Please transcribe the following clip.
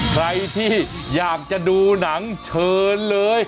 ใครที่อยากจะดูหนังเชิญเลย